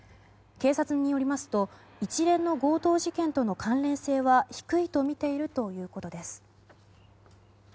警察によりますと一連の強盗事件との関連性は低いとみているということです。